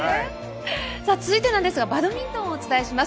続いてなんですがバドミントンをお伝えします。